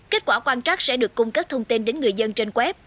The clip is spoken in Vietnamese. kết quả quan trắc sẽ được cung cấp thông tin đến người dân trên web